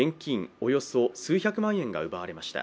およそ数百万円が奪われました。